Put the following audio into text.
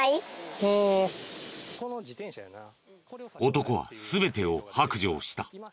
男は全てを白状した。